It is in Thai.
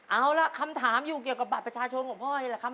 เอาล่ะคำถามอยู่เกี่ยวกับบัตรประชาชนของพ่อนี่แหละครับ